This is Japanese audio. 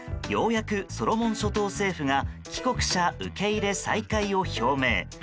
ようやく、ソロモン諸島政府が帰国者受け入れ再開を表明。